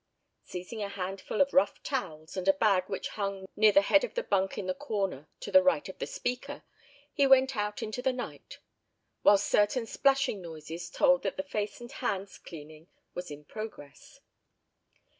Seizing a handful of rough towels, and a bag which hung near the head of the bunk in the corner to the right of the speaker, he went out into the night; while certain splashing noises told that face and hands' cleaning was in progress.